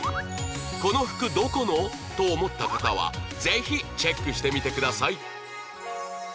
「この服どこの？」と思った方はぜひチェックしてみてください